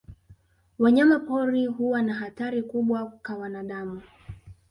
Wanyama pori huwa na hatari kubwa ka wanadamu.